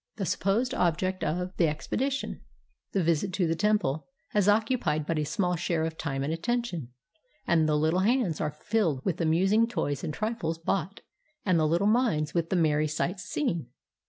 The supposed object of 405 JAPAN the expedition, the visit to the temple, has occupied but a small share of time and attention, and the Httle hands are filled with the amusing toys and trifles bought, and the Uttle minds with the merry sights seen.